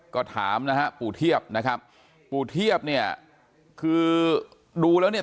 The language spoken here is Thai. ก็ถามนะฮะปู่เทียบนะครับปู่เทียบเนี่ยคือดูแล้วเนี่ย